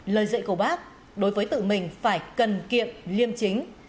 lời dạy của bác đối với tự mình phải cần kiệm liêm chính